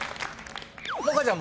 萌歌ちゃん